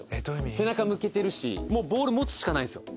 背中向けてるし、もうボール持つしかないんですよ。